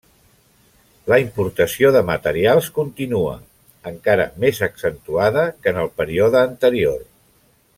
La importació de materials continua, encara més accentuada que en el període anterior.